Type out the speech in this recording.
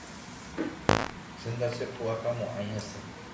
Che ndachepu'akamo'ãi hese.